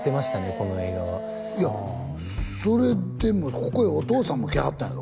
この映画はいやそれでもここへお父さんも来はったんやろ？